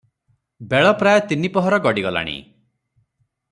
ବେଳ ପ୍ରାୟ ତିନି ପହର ଗଡ଼ିଗଲାଣି ।